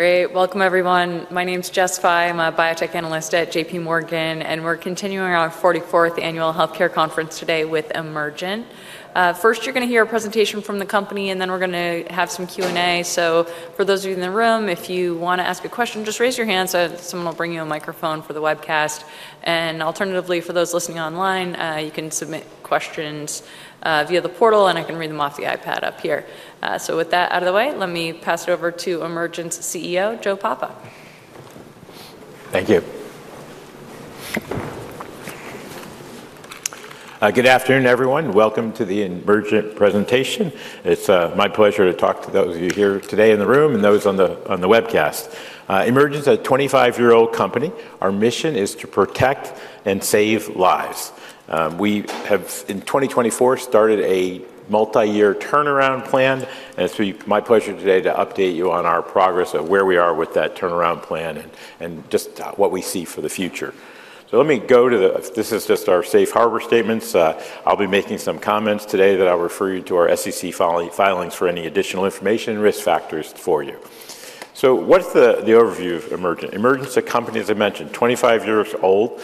Great. Welcome, everyone. My name's Jessica Fye. I'm a biotech analyst at J.P. Morgan, and we're continuing our 44th annual healthcare conference today with Emergent. First, you're going to hear a presentation from the company, and then we're going to have some Q&A. So for those of you in the room, if you want to ask a question, just raise your hand, so someone will bring you a microphone for the webcast. And alternatively, for those listening online, you can submit questions via the portal, and I can read them off the iPad up here. So with that out of the way, let me pass it over to Emergent's CEO, Joe Papa. Thank you. Good afternoon, everyone. Welcome to the Emergent presentation. It's my pleasure to talk to those of you here today in the room and those on the webcast. Emergent's a 25-year-old company. Our mission is to protect and save lives. We have, in 2024, started a multi-year turnaround plan, and it's my pleasure today to update you on our progress of where we are with that turnaround plan and just what we see for the future. So let me go to the—this is just our safe harbor statements. I'll be making some comments today that I'll refer you to our SEC filings for any additional information and risk factors for you. So what's the overview of Emergent? Emergent's a company, as I mentioned, 25 years old.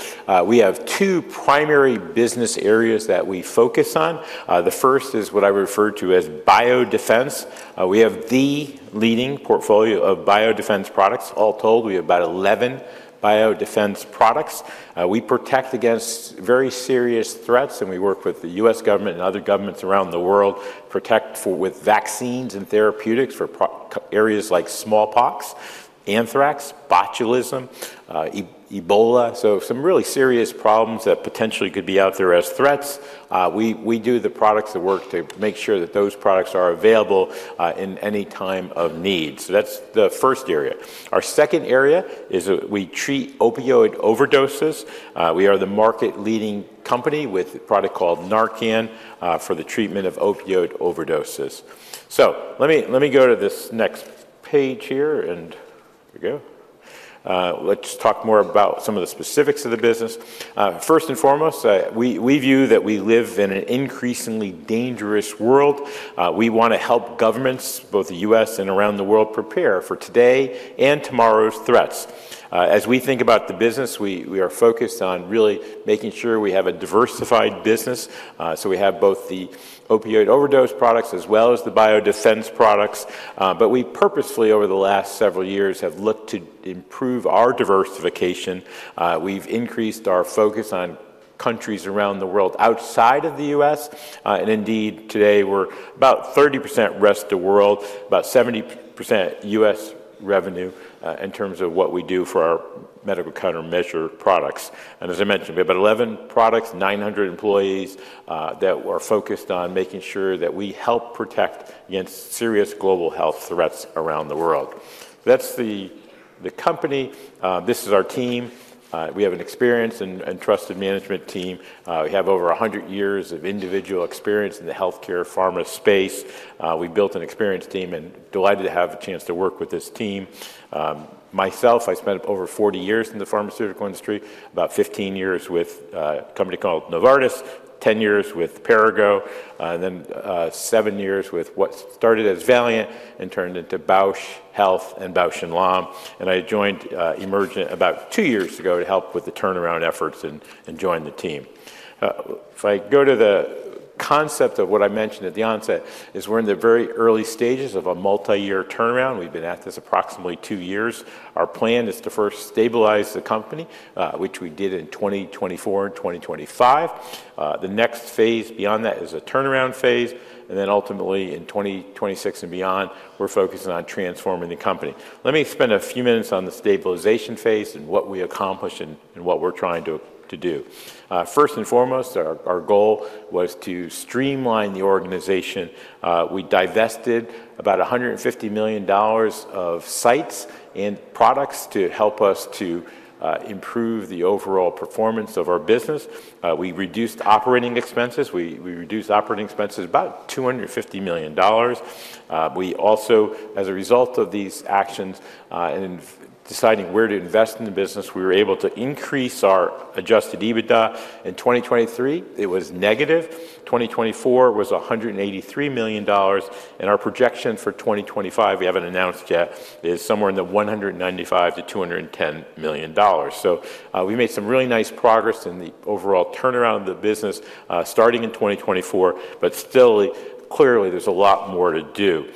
We have two primary business areas that we focus on. The first is what I refer to as biodefense. We have the leading portfolio of biodefense products. All told, we have about 11 biodefense products. We protect against very serious threats, and we work with the U.S. government and other governments around the world to protect with vaccines and therapeutics for areas like smallpox, anthrax, botulism, Ebola, so some really serious problems that potentially could be out there as threats. We do the products that work to make sure that those products are available in any time of need. So that's the first area. Our second area is we treat opioid overdoses. We are the market-leading company with a product called Narcan for the treatment of opioid overdoses. So let me go to this next page here, and here we go. Let's talk more about some of the specifics of the business. First and foremost, we view that we live in an increasingly dangerous world. We want to help governments, both the U.S. and around the world, prepare for today and tomorrow's threats. As we think about the business, we are focused on really making sure we have a diversified business. So we have both the opioid overdose products as well as the biodefense products. But we purposefully, over the last several years, have looked to improve our diversification. We've increased our focus on countries around the world outside of the U.S. And indeed, today, we're about 30% rest of the world, about 70% U.S. revenue in terms of what we do for our medical countermeasure products. And as I mentioned, we have about 11 products, 900 employees that are focused on making sure that we help protect against serious global health threats around the world. That's the company. This is our team. We have an experienced and trusted management team. We have over 100 years of individual experience in the healthcare pharma space. We built an experienced team and are delighted to have a chance to work with this team. Myself, I spent over 40 years in the pharmaceutical industry, about 15 years with a company called Novartis, 10 years with Perrigo, and then seven years with what started as Valeant and turned into Bausch Health and Bausch and Lomb, and I joined Emergent about two years ago to help with the turnaround efforts and join the team. If I go to the concept of what I mentioned at the onset, we're in the very early stages of a multi-year turnaround. We've been at this approximately two years. Our plan is to first stabilize the company, which we did in 2024 and 2025. The next phase beyond that is a turnaround phase. And then ultimately, in 2026 and beyond, we're focusing on transforming the company. Let me spend a few minutes on the stabilization phase and what we accomplished and what we're trying to do. First and foremost, our goal was to streamline the organization. We divested about $150 million of sites and products to help us to improve the overall performance of our business. We reduced operating expenses. We reduced operating expenses by about $250 million. We also, as a result of these actions and deciding where to invest in the business, we were able to increase our Adjusted EBITDA. In 2023, it was negative. 2024 was $183 million. And our projection for 2025, we haven't announced yet, is somewhere in the $195 million-$210 million. So we made some really nice progress in the overall turnaround of the business starting in 2024, but still, clearly, there's a lot more to do.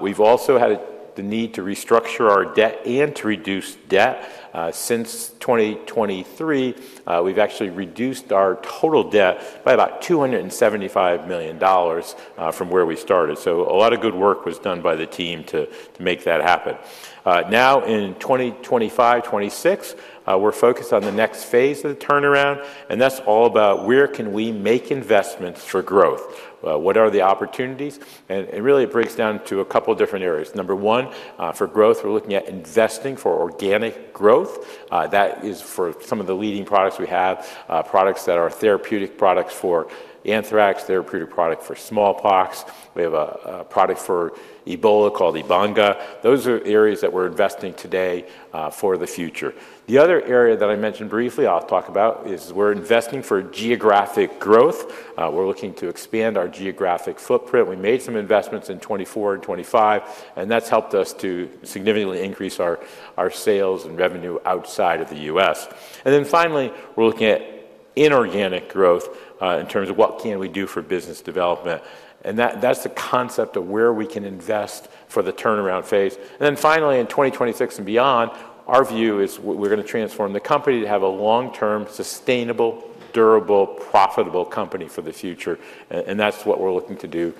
We've also had the need to restructure our debt and to reduce debt. Since 2023, we've actually reduced our total debt by about $275 million from where we started. So a lot of good work was done by the team to make that happen. Now, in 2025, 2026, we're focused on the next phase of the turnaround, and that's all about where can we make investments for growth. What are the opportunities? And really, it breaks down to a couple of different areas. Number one, for growth, we're looking at investing for organic growth. That is for some of the leading products we have, products that are therapeutic products for anthrax, therapeutic products for smallpox. We have a product for Ebola called Ebanga. Those are areas that we're investing today for the future. The other area that I mentioned briefly I'll talk about is we're investing for geographic growth. We're looking to expand our geographic footprint. We made some investments in 2024 and 2025, and that's helped us to significantly increase our sales and revenue outside of the U.S. And then finally, we're looking at inorganic growth in terms of what can we do for business development. And that's the concept of where we can invest for the turnaround phase. And then finally, in 2026 and beyond, our view is we're going to transform the company to have a long-term, sustainable, durable, profitable company for the future. And that's what we're looking to do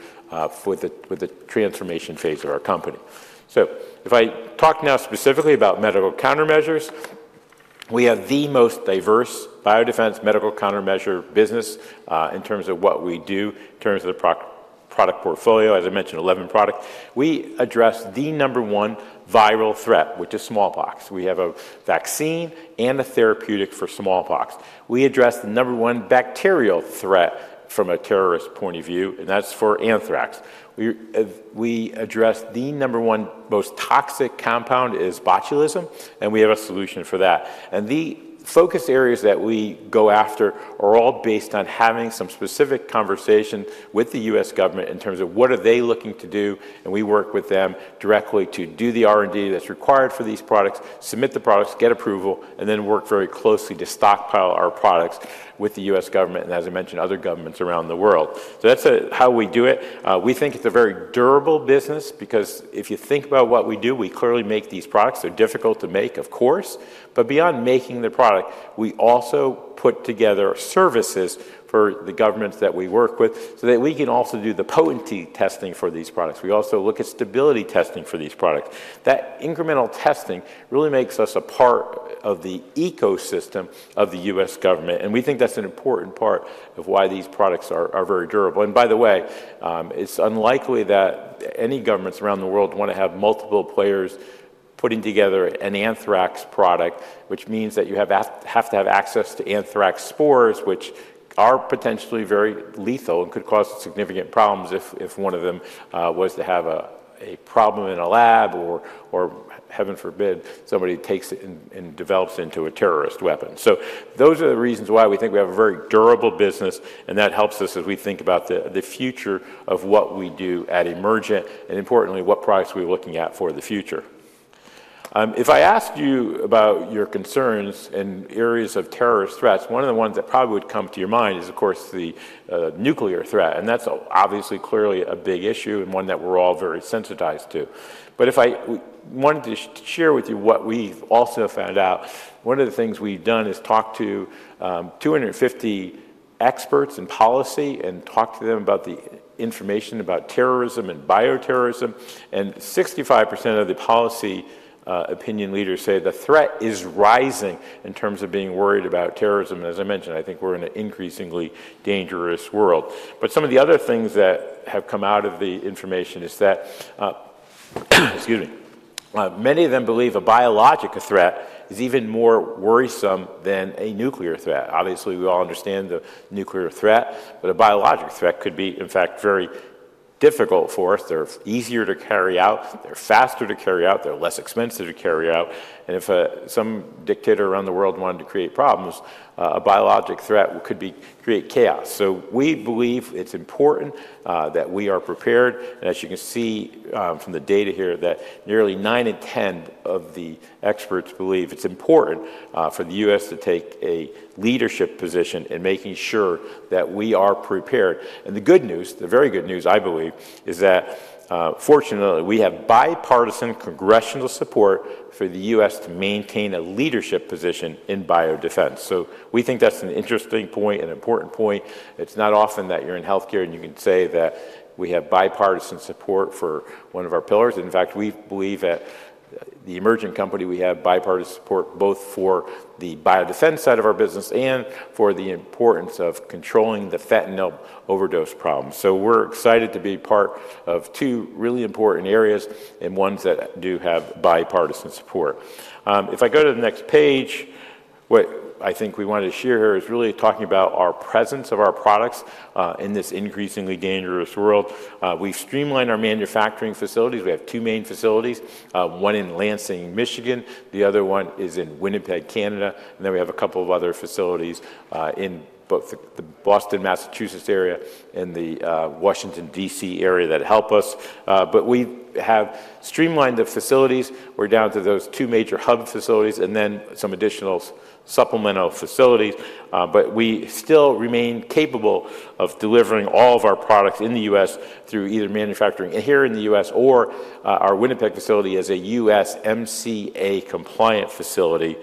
with the transformation phase of our company. So if I talk now specifically about medical countermeasures, we have the most diverse biodefense medical countermeasure business in terms of what we do, in terms of the product portfolio. As I mentioned, 11 products. We address the number one viral threat, which is smallpox. We have a vaccine and a therapeutic for smallpox. We address the number one bacterial threat from a terrorist point of view, and that's for anthrax. We address the number one most toxic compound is botulism, and we have a solution for that. And the focus areas that we go after are all based on having some specific conversation with the U.S. government in terms of what are they looking to do. And we work with them directly to do the R&D that's required for these products, submit the products, get approval, and then work very closely to stockpile our products with the U.S. Government and, as I mentioned, other governments around the world. So that's how we do it. We think it's a very durable business because if you think about what we do, we clearly make these products. They're difficult to make, of course. But beyond making the product, we also put together services for the governments that we work with so that we can also do the potency testing for these products. We also look at stability testing for these products. That incremental testing really makes us a part of the ecosystem of the U.S. government, and we think that's an important part of why these products are very durable. And by the way, it's unlikely that any governments around the world want to have multiple players putting together an anthrax product, which means that you have to have access to anthrax spores, which are potentially very lethal and could cause significant problems if one of them was to have a problem in a lab or, heaven forbid, somebody takes it and develops into a terrorist weapon. So those are the reasons why we think we have a very durable business, and that helps us as we think about the future of what we do at Emergent and, importantly, what products we're looking at for the future. If I asked you about your concerns in areas of terrorist threats, one of the ones that probably would come to your mind is, of course, the nuclear threat. That's obviously, clearly a big issue and one that we're all very sensitized to. If I wanted to share with you what we've also found out, one of the things we've done is talk to 250 experts in policy and talk to them about the information about terrorism and bioterrorism. 65% of the policy opinion leaders say the threat is rising in terms of being worried about terrorism. As I mentioned, I think we're in an increasingly dangerous world. Some of the other things that have come out of the information is that, excuse me, many of them believe a biological threat is even more worrisome than a nuclear threat. Obviously, we all understand the nuclear threat, but a biologic threat could be, in fact, very difficult for us. They're easier to carry out. They're faster to carry out. They're less expensive to carry out. If some dictator around the world wanted to create problems, a biologic threat could create chaos. We believe it's important that we are prepared. As you can see from the data here, nearly nine in 10 of the experts believe it's important for the U.S. to take a leadership position in making sure that we are prepared. The good news, the very good news, I believe, is that, fortunately, we have bipartisan congressional support for the U.S. to maintain a leadership position in biodefense. We think that's an interesting point, an important point. It's not often that you're in healthcare and you can say that we have bipartisan support for one of our pillars. In fact, we believe at the Emergent company, we have bipartisan support both for the biodefense side of our business and for the importance of controlling the fentanyl overdose problem. So we're excited to be part of two really important areas and ones that do have bipartisan support. If I go to the next page, what I think we wanted to share here is really talking about our presence of our products in this increasingly dangerous world. We've streamlined our manufacturing facilities. We have two main facilities, one in Lansing, Michigan. The other one is in Winnipeg, Canada. And then we have a couple of other facilities in both the Boston, Massachusetts area, and the Washington, D.C. area that help us. But we have streamlined the facilities. We're down to those two major hub facilities and then some additional supplemental facilities. But we still remain capable of delivering all of our products in the U.S. through either manufacturing here in the U.S. or our Winnipeg facility as a USMCA-compliant facility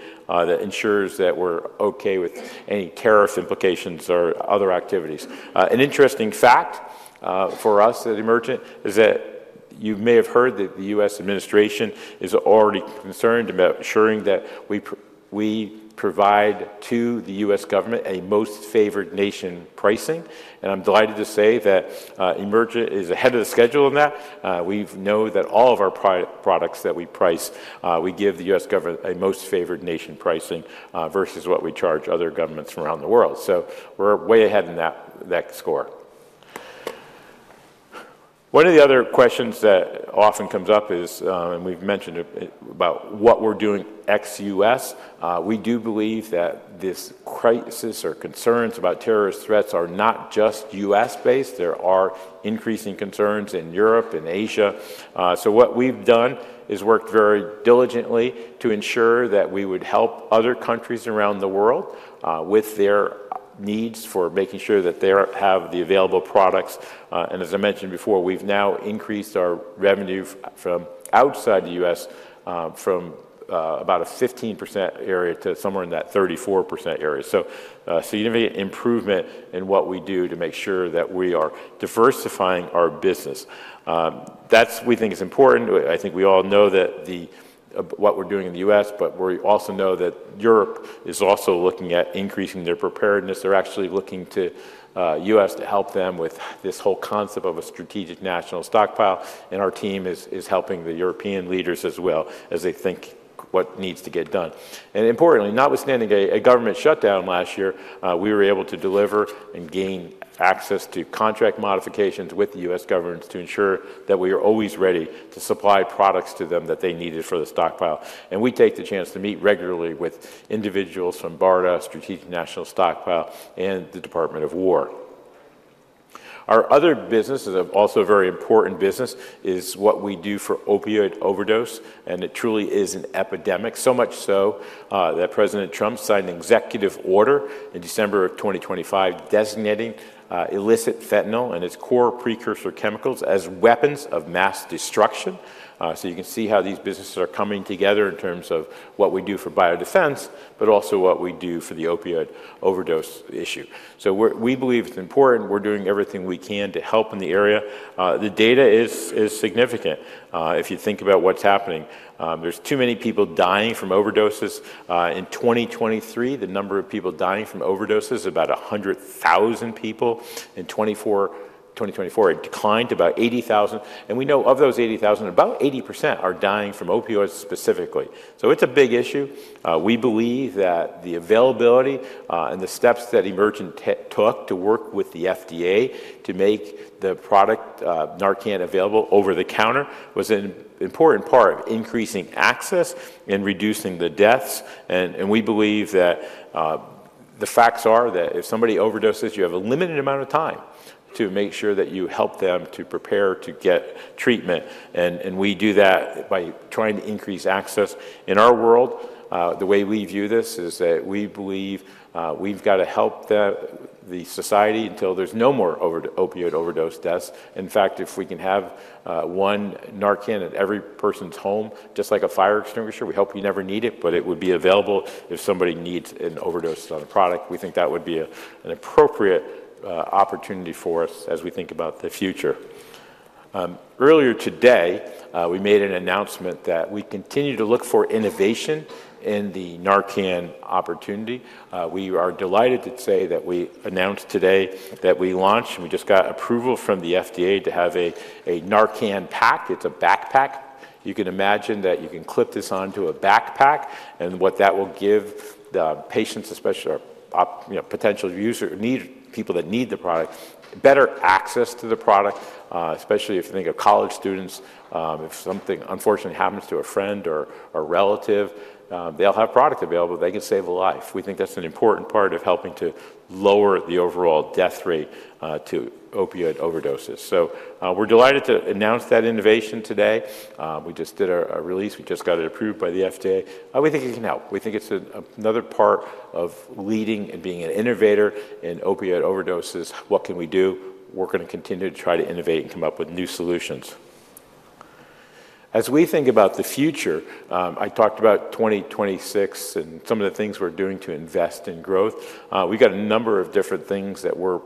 that ensures that we're okay with any tariff implications or other activities. An interesting fact for us at Emergent is that you may have heard that the U.S. administration is already concerned about ensuring that we provide to the U.S. government a most favored nation pricing. And I'm delighted to say that Emergent is ahead of the schedule in that. We know that all of our products that we price, we give the U.S. government a most favored nation pricing versus what we charge other governments from around the world. So we're way ahead in that score. One of the other questions that often comes up is, and we've mentioned about what we're doing ex-U.S., we do believe that this crisis or concerns about terrorist threats are not just U.S.-based. There are increasing concerns in Europe and Asia. So what we've done is worked very diligently to ensure that we would help other countries around the world with their needs for making sure that they have the available products. And as I mentioned before, we've now increased our revenue from outside the U.S. from about a 15% area to somewhere in that 34% area. So significant improvement in what we do to make sure that we are diversifying our business. That's, we think, is important. I think we all know what we're doing in the U.S., but we also know that Europe is also looking at increasing their preparedness. They're actually looking to the U.S. to help them with this whole concept of a Strategic National Stockpile. And our team is helping the European leaders as well as they think what needs to get done. And importantly, notwithstanding a government shutdown last year, we were able to deliver and gain access to contract modifications with the U.S. government to ensure that we are always ready to supply products to them that they needed for the stockpile. And we take the chance to meet regularly with individuals from BARDA, Strategic National Stockpile, and the Department of War. Our other business is also a very important business, is what we do for opioid overdose. And it truly is an epidemic, so much so that President Trump signed an executive order in December of 2025 designating illicit fentanyl and its core precursor chemicals as weapons of mass destruction. So you can see how these businesses are coming together in terms of what we do for biodefense, but also what we do for the opioid overdose issue. So we believe it's important. We're doing everything we can to help in the area. The data is significant. If you think about what's happening, there's too many people dying from overdoses. In 2023, the number of people dying from overdoses is about 100,000 people. In 2024, it declined to about 80,000, and we know of those 80,000, about 80% are dying from opioids specifically, so it's a big issue. We believe that the availability and the steps that Emergent took to work with the FDA to make the product Narcan available over the counter was an important part of increasing access and reducing the deaths, and we believe that the facts are that if somebody overdoses, you have a limited amount of time to make sure that you help them to prepare to get treatment, and we do that by trying to increase access. In our world, the way we view this is that we believe we've got to help the society until there's no more opioid overdose deaths. In fact, if we can have one Narcan in every person's home, just like a fire extinguisher, we hope you never need it, but it would be available if somebody needs an overdose on a product. We think that would be an appropriate opportunity for us as we think about the future. Earlier today, we made an announcement that we continue to look for innovation in the Narcan opportunity. We are delighted to say that we announced today that we launched, and we just got approval from the FDA to have a Narcan pack. It's a backpack. You can imagine that you can clip this onto a backpack and what that will give patients, especially potential users, people that need the product, better access to the product, especially if you think of college students. If something unfortunately happens to a friend or a relative, they'll have product available. They can save a life. We think that's an important part of helping to lower the overall death rate to opioid overdoses, so we're delighted to announce that innovation today. We just did a release. We just got it approved by the FDA. We think it can help. We think it's another part of leading and being an innovator in opioid overdoses. What can we do? We're going to continue to try to innovate and come up with new solutions. As we think about the future, I talked about 2026 and some of the things we're doing to invest in growth. We've got a number of different things that we're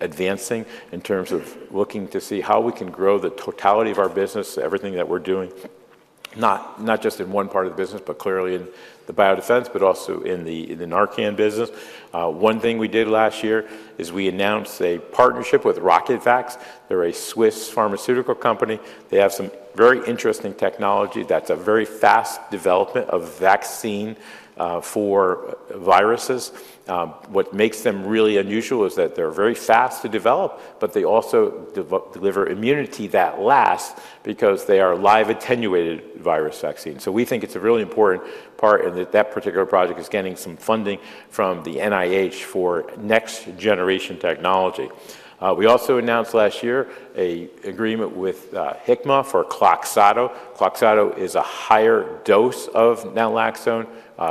advancing in terms of looking to see how we can grow the totality of our business, everything that we're doing, not just in one part of the business, but clearly in the biodefense, but also in the Narcan business. One thing we did last year is we announced a partnership with RocketVax. They're a Swiss pharmaceutical company. They have some very interesting technology. That's a very fast development of vaccine for viruses. What makes them really unusual is that they're very fast to develop, but they also deliver immunity that lasts because they are live attenuated virus vaccines. So we think it's a really important part in that particular project is getting some funding from the NIH for next-generation technology. We also announced last year an agreement with Hikma for Kloxxado. Kloxxado is a higher dose of naloxone.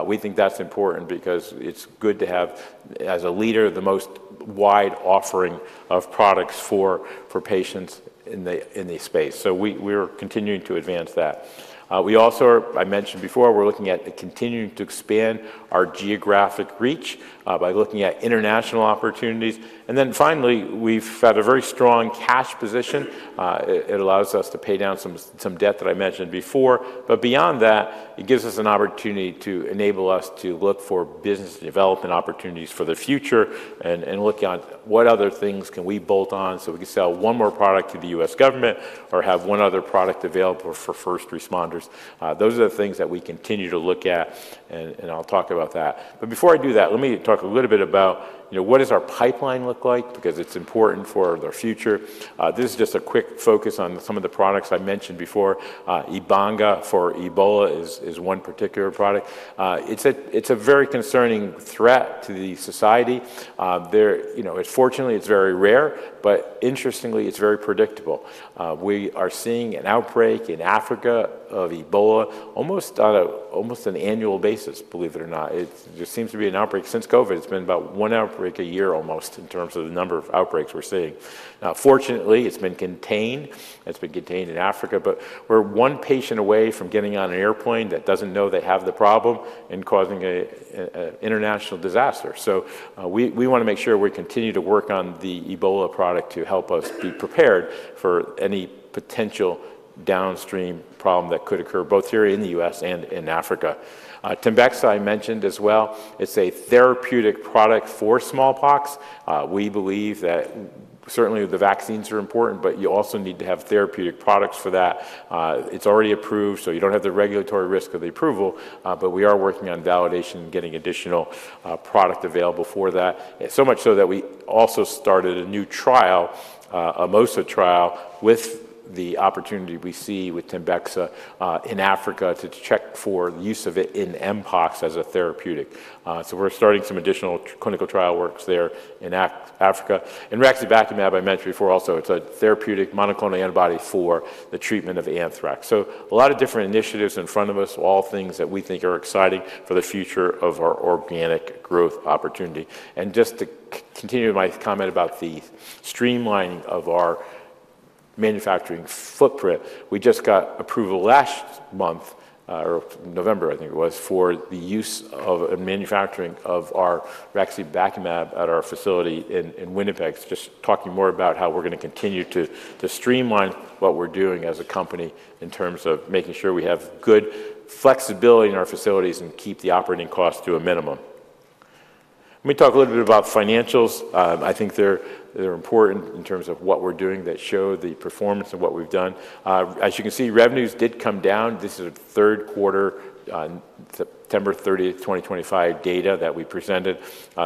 We think that's important because it's good to have, as a leader, the most wide offering of products for patients in the space. So we're continuing to advance that. We also, I mentioned before, we're looking at continuing to expand our geographic reach by looking at international opportunities. And then finally, we've had a very strong cash position. It allows us to pay down some debt that I mentioned before. But beyond that, it gives us an opportunity to enable us to look for business development opportunities for the future and look at what other things can we bolt on so we can sell one more product to the U.S. government or have one other product available for first responders. Those are the things that we continue to look at, and I'll talk about that. But before I do that, let me talk a little bit about what does our pipeline look like because it's important for the future. This is just a quick focus on some of the products I mentioned before. Ebanga for Ebola is one particular product. It's a very concerning threat to the society. Fortunately, it's very rare, but interestingly, it's very predictable. We are seeing an outbreak in Africa of Ebola almost on an annual basis, believe it or not. It just seems to be an outbreak. Since COVID, it's been about one outbreak a year almost in terms of the number of outbreaks we're seeing. Now, fortunately, it's been contained. It's been contained in Africa, but we're one patient away from getting on an airplane that doesn't know they have the problem and causing an international disaster, so we want to make sure we continue to work on the Ebola product to help us be prepared for any potential downstream problem that could occur both here in the U.S. and in Africa. TEMBEXA, I mentioned as well. It's a therapeutic product for smallpox. We believe that certainly the vaccines are important, but you also need to have therapeutic products for that. It's already approved, so you don't have the regulatory risk of the approval, but we are working on validation and getting additional product available for that. So much so that we also started a new trial, a MOSA trial, with the opportunity we see with TEMBEXA in Africa to check for the use of it in mpox as a therapeutic. So we're starting some additional clinical trial works there in Africa. And Raxibacumab, I mentioned before also, it's a therapeutic monoclonal antibody for the treatment of anthrax. So a lot of different initiatives in front of us, all things that we think are exciting for the future of our organic growth opportunity. And just to continue my comment about the streamlining of our manufacturing footprint, we just got approval last month, November, I think it was, for the use of manufacturing of our Raxibacumab at our facility in Winnipeg. Just talking more about how we're going to continue to streamline what we're doing as a company in terms of making sure we have good flexibility in our facilities and keep the operating costs to a minimum. Let me talk a little bit about financials. I think they're important in terms of what we're doing that show the performance of what we've done. As you can see, revenues did come down. This is a third quarter, September 30th, 2025 data that we presented.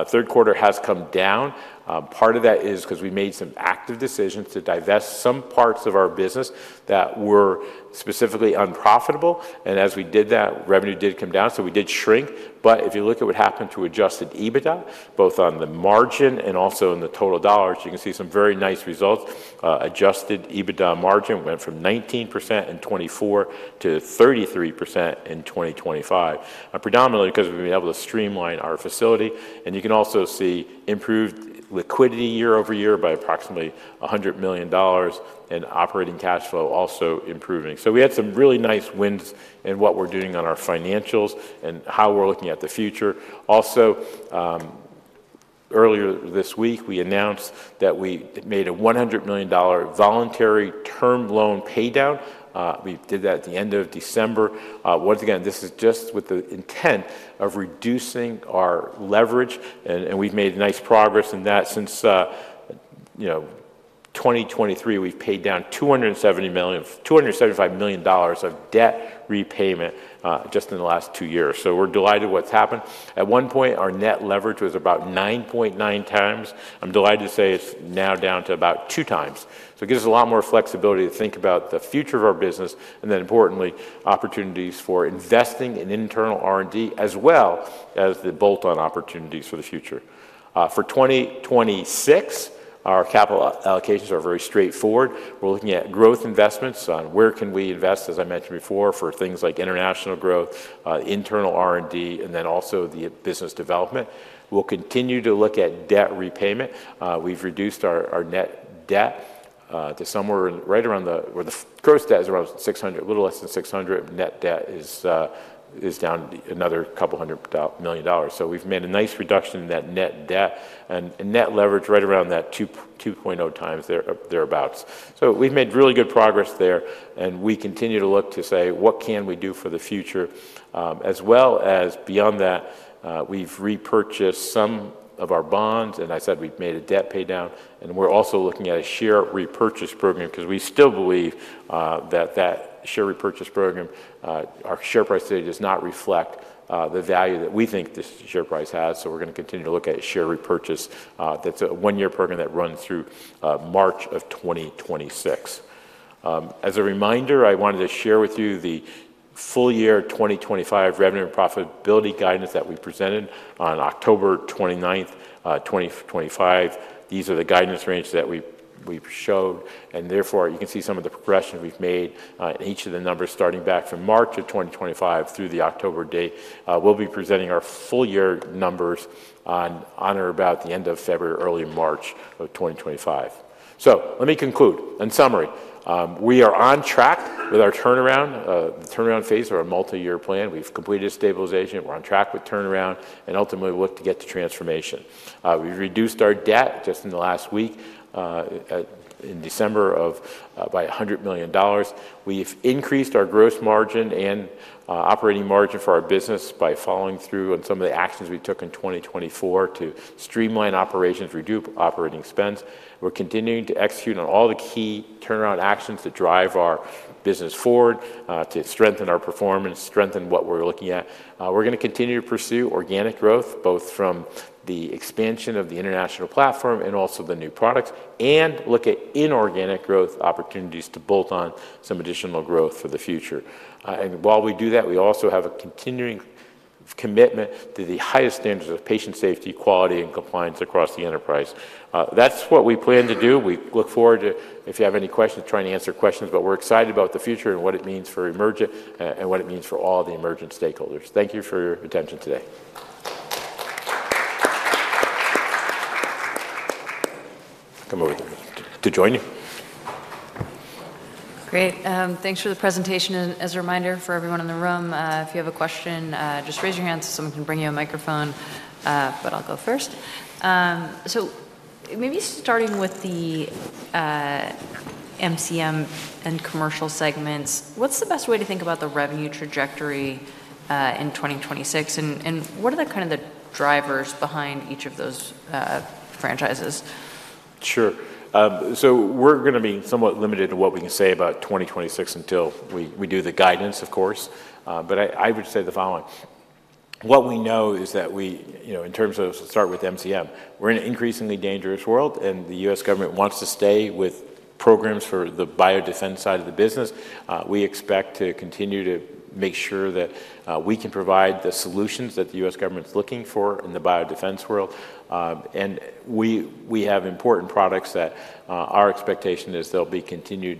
Third quarter has come down. Part of that is because we made some active decisions to divest some parts of our business that were specifically unprofitable. And as we did that, revenue did come down. So we did shrink. But if you look at what happened to Adjusted EBITDA, both on the margin and also in the total dollars, you can see some very nice results. Adjusted EBITDA margin went from 19% in 2024-33% in 2025, predominantly because we've been able to streamline our facility. You can also see improved liquidity year over year by approximately $100 million and operating cash flow also improving. We had some really nice wins in what we're doing on our financials and how we're looking at the future. Earlier this week, we announced that we made a $100 million voluntary term loan paydown. We did that at the end of December. This is just with the intent of reducing our leverage. We've made nice progress in that since 2023. We've paid down $275 million of debt repayment just in the last two years. We're delighted with what's happened. At one point, our net leverage was about 9.9x. I'm delighted to say it's now down to about 2x. So it gives us a lot more flexibility to think about the future of our business and then, importantly, opportunities for investing in internal R&D as well as the bolt-on opportunities for the future. For 2026, our capital allocations are very straightforward. We're looking at growth investments on where can we invest, as I mentioned before, for things like international growth, internal R&D, and then also the business development. We'll continue to look at debt repayment. We've reduced our net debt to somewhere right around the gross debt is around $600 million, a little less than $600 million. Net debt is down another $200 million. So we've made a nice reduction in that net debt and net leverage right around that 2.0x thereabouts. So we've made really good progress there. And we continue to look to say, what can we do for the future? As well as beyond that, we've repurchased some of our bonds. And I said we've made a debt paydown. And we're also looking at a share repurchase program because we still believe that that share repurchase program, our share price data does not reflect the value that we think this share price has. So we're going to continue to look at share repurchase. That's a one-year program that runs through March of 2026. As a reminder, I wanted to share with you the full year 2025 revenue and profitability guidance that we presented on October 29th, 2025. These are the guidance range that we showed. And therefore, you can see some of the progression we've made in each of the numbers starting back from March of 2025 through the October date. We'll be presenting our full year numbers on or about the end of February, early March of 2025. So let me conclude. In summary, we are on track with our turnaround phase of our multi-year plan. We've completed stabilization. We're on track with turnaround. And ultimately, we look to get to transformation. We've reduced our debt just in the last week in December by $100 million. We've increased our gross margin and operating margin for our business by following through on some of the actions we took in 2024 to streamline operations, reduce operating expense. We're continuing to execute on all the key turnaround actions that drive our business forward to strengthen our performance, strengthen what we're looking at. We're going to continue to pursue organic growth, both from the expansion of the international platform and also the new products, and look at inorganic growth opportunities to bolt on some additional growth for the future. And while we do that, we also have a continuing commitment to the highest standards of patient safety, quality, and compliance across the enterprise. That's what we plan to do. We look forward to, if you have any questions, trying to answer questions, but we're excited about the future and what it means for Emergent and what it means for all the Emergent stakeholders. Thank you for your attention today. Come over to join you. Great. Thanks for the presentation. And as a reminder for everyone in the room, if you have a question, just raise your hand so someone can bring you a microphone, but I'll go first. So maybe starting with the MCM and commercial segments, what's the best way to think about the revenue trajectory in 2026? And what are the kind of drivers behind each of those franchises? Sure. So we're going to be somewhat limited to what we can say about 2026 until we do the guidance, of course. But I would say the following. What we know is that we, in terms of start with MCM, we're in an increasingly dangerous world, and the U.S. government wants to stay with programs for the biodefense side of the business. We expect to continue to make sure that we can provide the solutions that the U.S. government's looking for in the biodefense world. And we have important products that our expectation is there'll be continued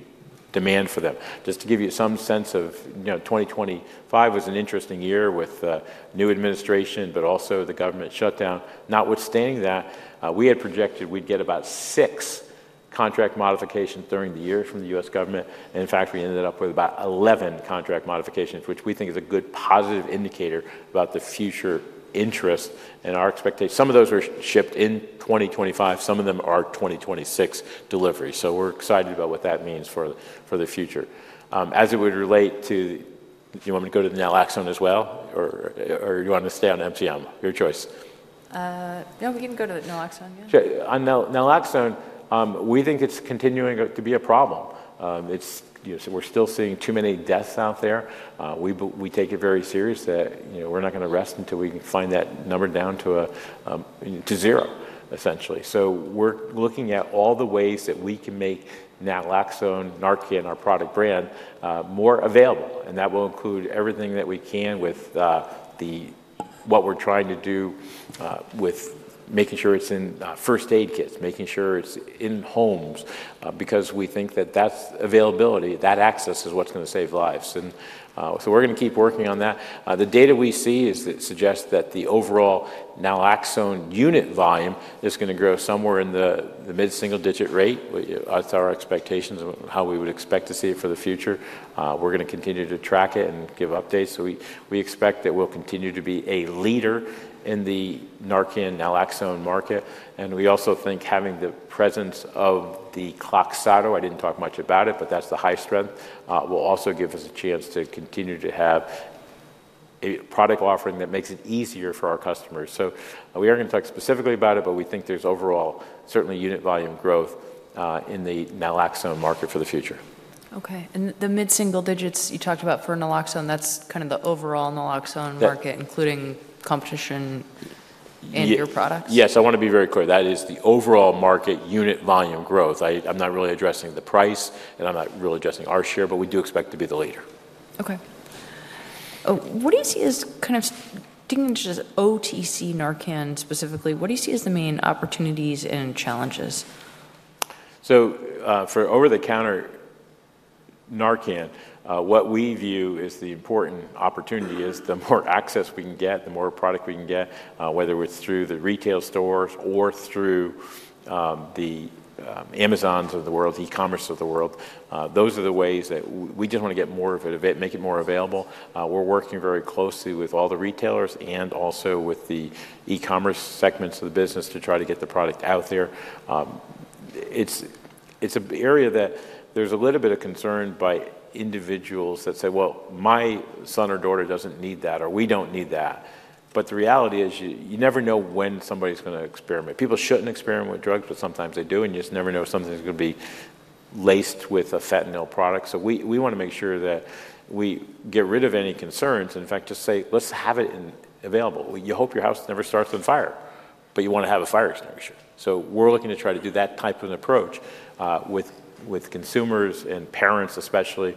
demand for them. Just to give you some sense, 2025 was an interesting year with the new administration, but also the government shutdown. Notwithstanding that, we had projected we'd get about six contract modifications during the year from the U.S. government. In fact, we ended up with about 11 contract modifications, which we think is a good positive indicator about the future interest and our expectation. Some of those are shipped in 2025. Some of them are 2026 delivery. We're excited about what that means for the future. As it would relate to, do you want me to go to the naloxone as well, or do you want to stay on MCM? Your choice. No, we can go to the naloxone again. Sure. On naloxone, we think it's continuing to be a problem. We're still seeing too many deaths out there. We take it very serious that we're not going to rest until we can find that number down to zero, essentially. We're looking at all the ways that we can make naloxone, Narcan, our product brand, more available. And that will include everything that we can with what we're trying to do with making sure it's in first aid kits, making sure it's in homes, because we think that that's availability, that access is what's going to save lives. And so we're going to keep working on that. The data we see suggests that the overall naloxone unit volume is going to grow somewhere in the mid-single digit rate. That's our expectations of how we would expect to see it for the future. We're going to continue to track it and give updates. So we expect that we'll continue to be a leader in the Narcan naloxone market. We also think having the presence of the Kloxxado, I didn't talk much about it, but that's the high strength, will also give us a chance to continue to have a product offering that makes it easier for our customers. We aren't going to talk specifically about it, but we think there's overall, certainly unit volume growth in the naloxone market for the future. Okay. And the mid-single digits you talked about for naloxone, that's kind of the overall naloxone market, including competition and your products? Yes. I want to be very clear. That is the overall market unit volume growth. I'm not really addressing the price, and I'm not really addressing our share, but we do expect to be the leader. Okay. What do you see as kind of digging into this OTC Narcan specifically, what do you see as the main opportunities and challenges? For over-the-counter Narcan, what we view as the important opportunity is the more access we can get, the more product we can get, whether it's through the retail stores or through the Amazons of the world, e-commerce of the world. Those are the ways that we just want to get more of it, make it more available. We're working very closely with all the retailers and also with the e-commerce segments of the business to try to get the product out there. It's an area that there's a little bit of concern by individuals that say, "Well, my son or daughter doesn't need that," or "We don't need that." But the reality is you never know when somebody's going to experiment. People shouldn't experiment with drugs, but sometimes they do, and you just never know if something's going to be laced with a fentanyl product. So we want to make sure that we get rid of any concerns and, in fact, just say, "Let's have it available." You hope your house never starts on fire, but you want to have a fire extinguisher. So we're looking to try to do that type of an approach with consumers and parents, especially,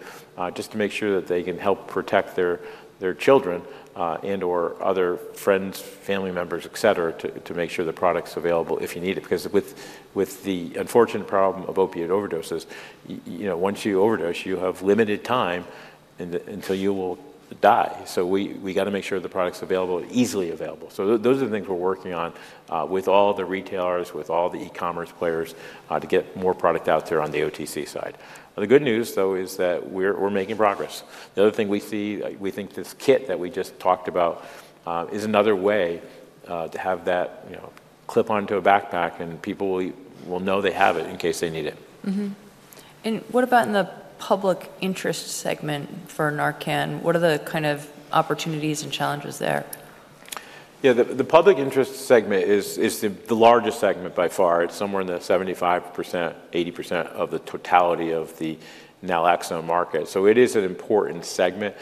just to make sure that they can help protect their children and/or other friends, family members, etc., to make sure the product's available if you need it. Because with the unfortunate problem of opiate overdoses, once you overdose, you have limited time until you will die. So we got to make sure the product's available, easily available. So those are the things we're working on with all the retailers, with all the e-commerce players to get more product out there on the OTC side. The good news, though, is that we're making progress. The other thing we see, we think this kit that we just talked about is another way to have that clip onto a backpack, and people will know they have it in case they need it. And what about in the public interest segment for Narcan? What are the kind of opportunities and challenges there? Yeah. The public interest segment is the largest segment by far. It's somewhere in the 75%-80% of the totality of the naloxone market. So it is an important segment.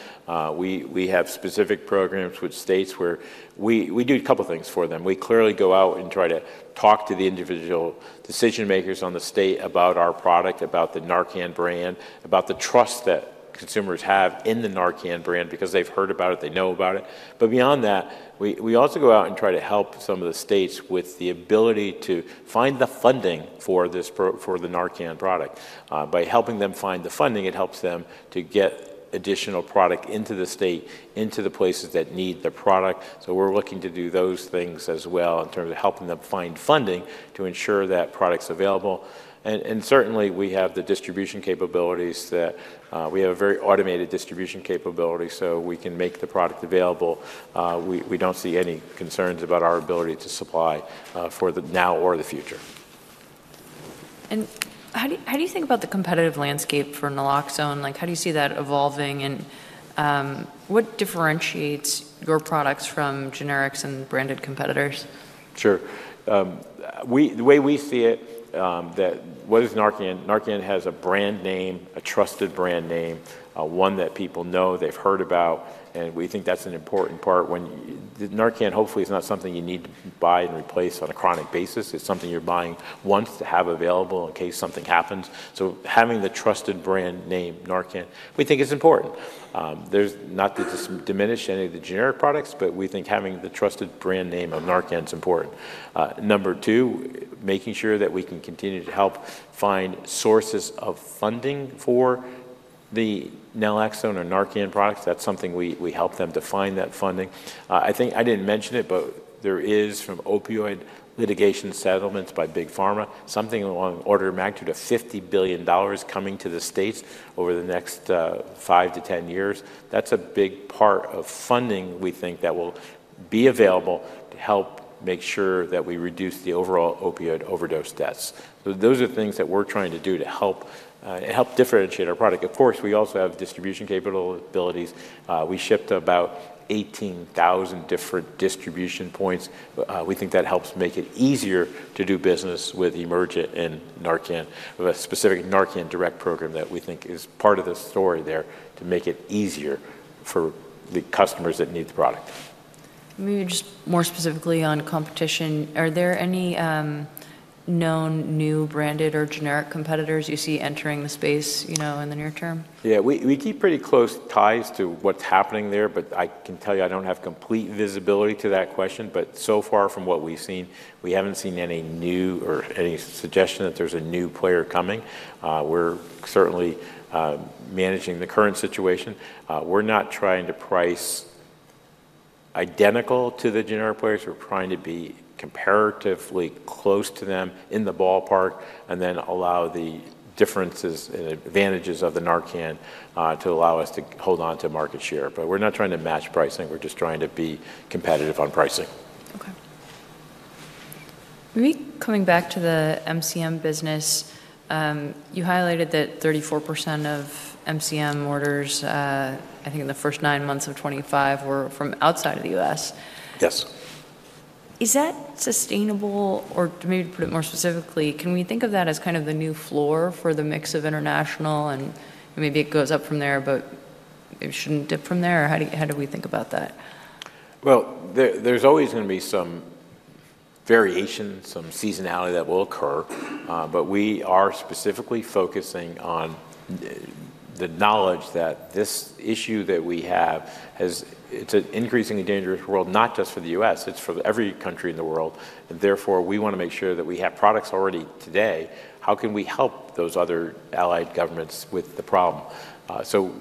We have specific programs with states where we do a couple of things for them. We clearly go out and try to talk to the individual decision-makers on the state about our product, about the Narcan brand, about the trust that consumers have in the Narcan brand because they've heard about it, they know about it. But beyond that, we also go out and try to help some of the states with the ability to find the funding for the Narcan product. By helping them find the funding, it helps them to get additional product into the state, into the places that need the product. So we're looking to do those things as well in terms of helping them find funding to ensure that product's available. And certainly, we have the distribution capabilities that we have a very automated distribution capability so we can make the product available. We don't see any concerns about our ability to supply for now or the future. And how do you think about the competitive landscape for naloxone? How do you see that evolving? And what differentiates your products from generics and branded competitors? Sure. The way we see it, what is Narcan? Narcan has a brand name, a trusted brand name, one that people know, they've heard about, and we think that's an important part. Narcan, hopefully, is not something you need to buy and replace on a chronic basis. It's something you're buying once to have available in case something happens, so having the trusted brand name, Narcan, we think is important. Not to diminish any of the generic products, but we think having the trusted brand name of Narcan is important. Number two, making sure that we can continue to help find sources of funding for the naloxone or Narcan products. That's something we help them to find that funding. I think I didn't mention it, but there is from opioid litigation settlements by Big Pharma, something along order of magnitude of $50 billion coming to the states over the next 5-10 years. That's a big part of funding we think that will be available to help make sure that we reduce the overall opioid overdose deaths. So those are things that we're trying to do to help differentiate our product. Of course, we also have distribution capabilities. We shipped about 18,000 different distribution points. We think that helps make it easier to do business with Emergent and Narcan, a specific Narcan direct program that we think is part of the story there to make it easier for the customers that need the product. Maybe just more specifically on competition, are there any known new branded or generic competitors you see entering the space in the near term? Yeah. We keep pretty close ties to what's happening there, but I can tell you I don't have complete visibility to that question. But so far from what we've seen, we haven't seen any new or any suggestion that there's a new player coming. We're certainly managing the current situation. We're not trying to price identical to the generic players. We're trying to be comparatively close to them in the ballpark and then allow the differences and advantages of the Narcan to allow us to hold on to market share. But we're not trying to match pricing. We're just trying to be competitive on pricing. Okay. Maybe coming back to the MCM business, you highlighted that 34% of MCM orders, I think in the first nine months of 2025, were from outside of the U.S. Yes. Is that sustainable? Or maybe to put it more specifically, can we think of that as kind of the new floor for the mix of international? Maybe it goes up from there, but it shouldn't dip from there. How do we think about that? There's always going to be some variation, some seasonality that will occur. We are specifically focusing on the knowledge that this issue that we have, it's an increasingly dangerous world, not just for the U.S., it's for every country in the world. Therefore, we want to make sure that we have products already today. How can we help those other allied governments with the problem?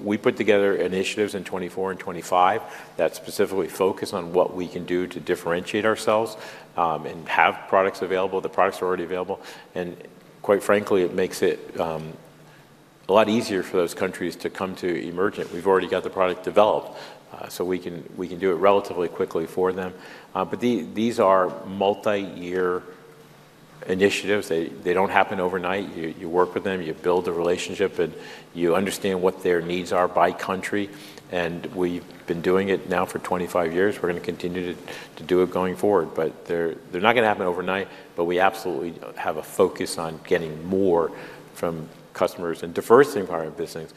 We put together initiatives in 2024 and 2025 that specifically focus on what we can do to differentiate ourselves and have products available, the products are already available. Quite frankly, it makes it a lot easier for those countries to come to Emergent. We've already got the product developed, so we can do it relatively quickly for them. But these are multi-year initiatives. They don't happen overnight. You work with them, you build a relationship, and you understand what their needs are by country. And we've been doing it now for 25 years. We're going to continue to do it going forward. But they're not going to happen overnight, but we absolutely have a focus on getting more from customers and diversifying business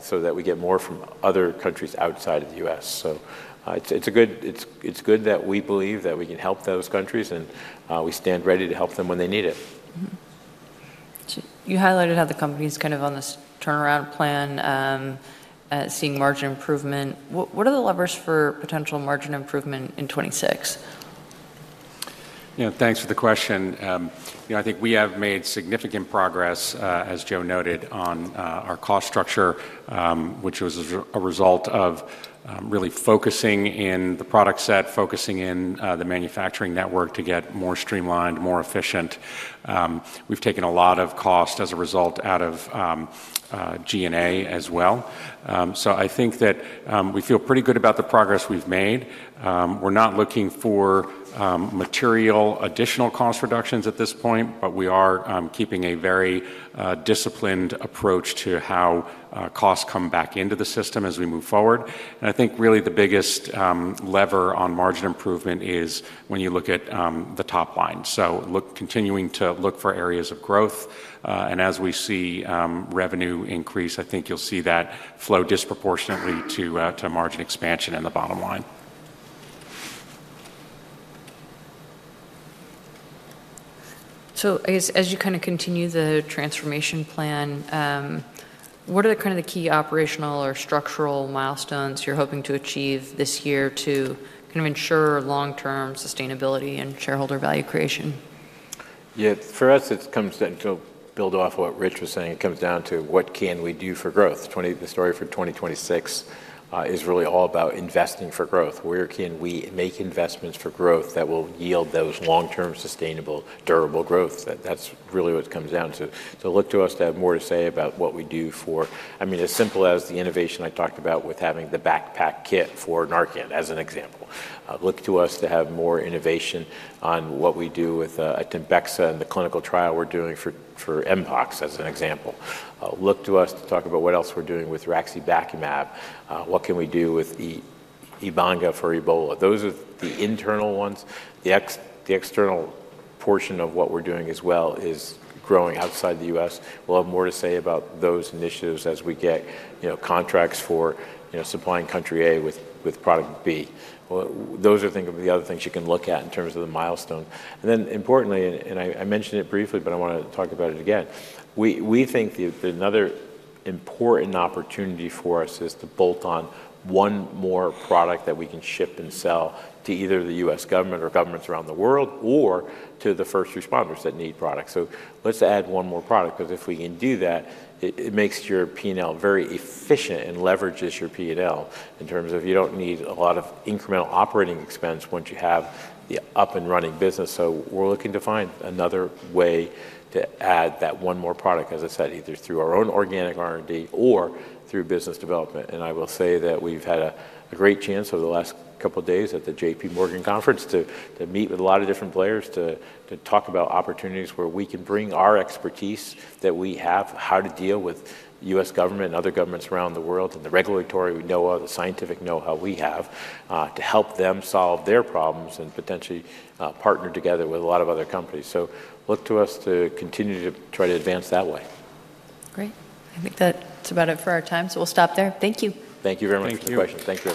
so that we get more from other countries outside of the U.S. So it's good that we believe that we can help those countries, and we stand ready to help them when they need it. You highlighted how the company's kind of on this turnaround plan, seeing margin improvement. What are the levers for potential margin improvement in 2026? Thanks for the question. I think we have made significant progress, as Joe noted, on our cost structure, which was a result of really focusing in the product set, focusing in the manufacturing network to get more streamlined, more efficient. We've taken a lot of cost as a result out of G&A as well. So I think that we feel pretty good about the progress we've made. We're not looking for material additional cost reductions at this point, but we are keeping a very disciplined approach to how costs come back into the system as we move forward. And I think really the biggest lever on margin improvement is when you look at the top line. So continuing to look for areas of growth. And as we see revenue increase, I think you'll see that flow disproportionately to margin expansion and the bottom line. So as you kind of continue the transformation plan, what are kind of the key operational or structural milestones you're hoping to achieve this year to kind of ensure long-term sustainability and shareholder value creation? Yeah. For us, it comes down to build off what Rich was saying. It comes down to what can we do for growth? The story for 2026 is really all about investing for growth. Where can we make investments for growth that will yield those long-term sustainable, durable growth? That's really what it comes down to. So look to us to have more to say about what we do for, I mean, as simple as the innovation I talked about with having the backpack kit for Narcan, as an example. Look to us to have more innovation on what we do with TEMBEXA and the clinical trial we're doing for Mpox, as an example. Look to us to talk about what else we're doing with Raxibacumab. What can we do with Ebanga for Ebola? Those are the internal ones. The external portion of what we're doing as well is growing outside the U.S. We'll have more to say about those initiatives as we get contracts for supplying country A with product B. Those are the things that we can look at in terms of the milestone. And then importantly, and I mentioned it briefly, but I want to talk about it again. We think another important opportunity for us is to bolt on one more product that we can ship and sell to either the U.S. government or governments around the world or to the first responders that need products. Let's add one more product because if we can do that, it makes your P&L very efficient and leverages your P&L in terms of you don't need a lot of incremental operating expense once you have the up-and-running business. We're looking to find another way to add that one more product, as I said, either through our own organic R&D or through business development. I will say that we've had a great chance over the last couple of days at the J.P. Morgan Conference to meet with a lot of different players to talk about opportunities where we can bring our expertise that we have, how to deal with U.S. government and other governments around the world and the regulatory know-how, the scientific know-how we have to help them solve their problems and potentially partner together with a lot of other companies. So look to us to continue to try to advance that way. Great. I think that's about it for our time. So we'll stop there. Thank you. Thank you very much. Thank you.